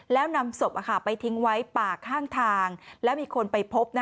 แล้วนำศพไปทิ้งไว้ป่าข้างทางแล้วมีคนไปพบ